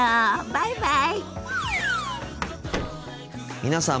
バイバイ。